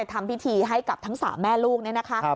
ทำพิธีให้กับทั้ง๓แม่ลูกเนี่ยนะคะ